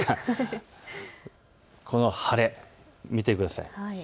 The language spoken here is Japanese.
この晴れ、見てください。